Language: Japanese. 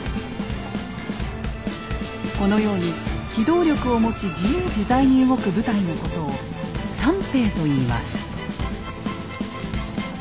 このように機動力を持ち自由自在に動く部隊のことを「散兵」と言います。